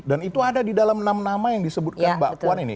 dan itu ada di dalam nama nama yang disebutkan mbak puan ini